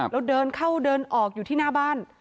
แล้วเดินเข้าเดินออกอยู่ที่หน้าบ้าน